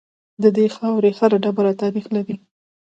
د دې خاورې هر ډبره تاریخ لري